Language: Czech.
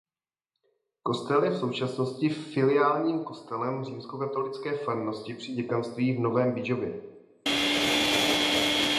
Kostel je v současnosti filiálním kostelem římskokatolické farnosti při děkanství v Novém Bydžově.